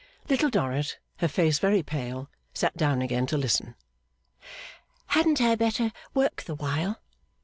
Little Dorrit, her face very pale, sat down again to listen. 'Hadn't I better work the while?